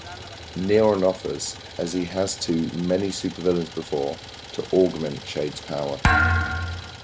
Neron offers, as he has to many supervillains before, to augment Shade's power.